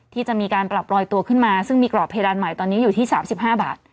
ที่จะมีการปรับลอยตัวขึ้นมาซึ่งมีกรอบเพดานใหม่ตอนนี้อยู่ที่๓๕บาท